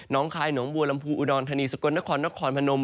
คายหนองบัวลำพูอุดรธานีสกลนครนครพนม